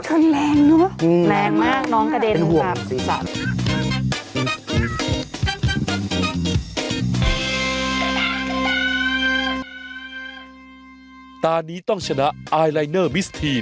ชนแรงเนอะแรงมากน้องกระเด็นค่ะ